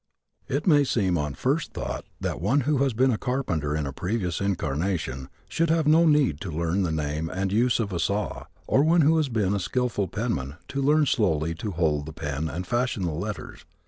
It might seem on first thought that one who has been a carpenter in a previous incarnation should have no need to learn the name and use of a saw, or one who has been a skillful penman to learn slowly to hold the pen and fashion the letters.